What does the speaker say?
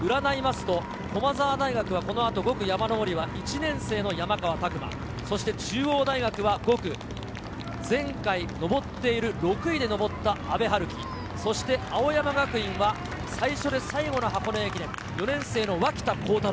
駒澤大学はこの後、５区・山上りは１年生の山川拓馬、中央大学は５区、前回、上っている阿部陽樹、そして青山学院は最初で最後の箱根駅伝、４年生の脇田幸太朗。